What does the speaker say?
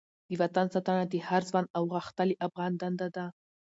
د وطن ساتنه د هر ځوان او غښتلې افغان دنده ده.